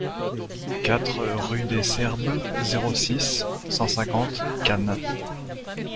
quatre rue des Serbes, zéro six, cent cinquante Cannes